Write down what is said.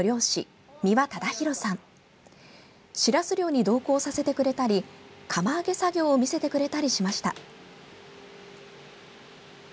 しらす漁に同行させてくれたり釜揚げ作業を見せてくれたりしました。